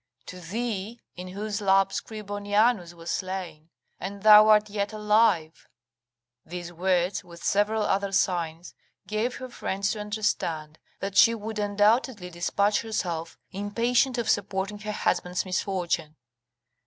to thee in whose lap Scribonianus was slain, and thou art yet alive!" These words, with several other signs, gave her friends to understand that she would undoubtedly despatch herself, impatient of supporting her husband's misfortune.